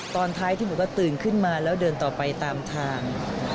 ตอนท้ายที่บอกว่าตื่นขึ้นมาแล้วเดินต่อไปตามทาง